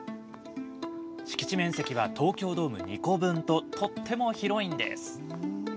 敷地面積は東京ドーム２個分ととっても広いんです。